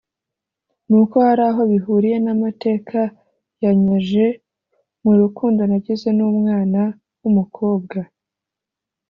nuko haraho bihuriye n’amateka yanyje mu rukundo nagize n’umwana w’umukobwa